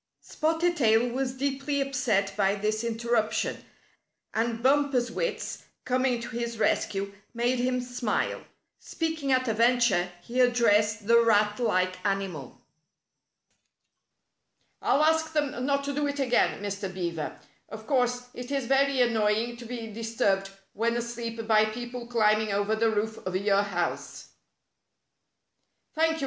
Spotted Tail was deeply upset by this inter ruption, and Bumper's wits, coming to his rescue, made him smile. Speaking at a venture, he ad dressed the rat like animal. " I'll ask them not to do it again, Mr. Beaver. Of course, it is very annoying to be disturbed when asleep by people climbing over the roof of your house." "Thank you!"